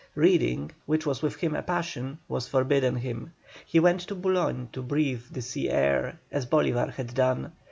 Reading, which was with him a passion, was forbidden him. He went to Boulogne to breathe the sea air, as Bolívar had done.